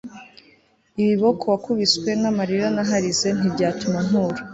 ibiboko wakubiswe n'amarira naharize ntibyatuma ntura